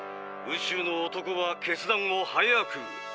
「宇宙の男は決断を早く。